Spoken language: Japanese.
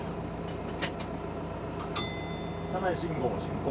車内信号進行。